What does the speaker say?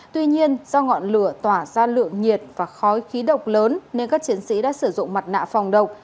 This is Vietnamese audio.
tuy nhiên do ngọn lửa tỏa ra lượng nhiệt và khói khí độc lớn nên các chiến sĩ đã sử dụng mặt nạ phòng độc